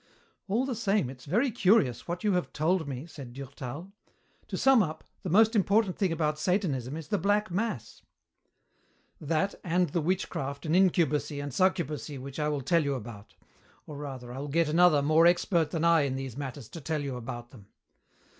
"All the same, it's very curious, what you have told me," said Durtal. "To sum up, the most important thing about Satanism is the black mass." "That and the witchcraft and incubacy and succubacy which I will tell you about; or rather, I will get another more expert than I in these matters to tell you about them.